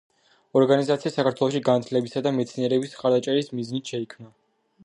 ორგანიზაცია საქართველოში განათლებისა და მეცნიერების მხარდაჭერის მიზნით შეიქმნა.